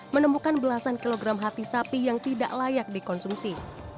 menemukan belasan kilogram hati sapi yang tidak layak dikonsumsi